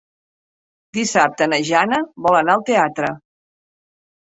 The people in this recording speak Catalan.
Dissabte na Jana vol anar al teatre.